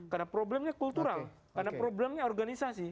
karena problemnya kultural karena problemnya organisasi